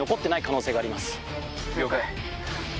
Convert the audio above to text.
了解。